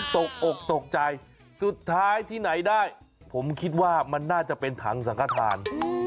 ตกอกตกใจสุดท้ายที่ไหนได้ผมคิดว่ามันน่าจะเป็นถังสังขทาน